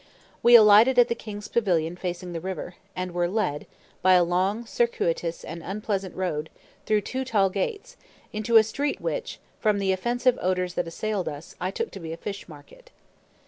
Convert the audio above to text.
We alighted at the king's pavilion facing the river, and were led, by a long, circuitous, and unpleasant road, through two tall gates, into a street which, from the offensive odors that assailed us, I took to be a fish market.